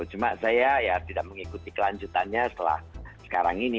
cuma saya ya tidak mengikuti kelanjutannya setelah sekarang ini